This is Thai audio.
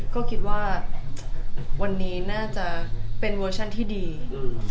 ก็คิดว่าวันนี้น่าจะเป็นเวอร์ชันที่ดีอืม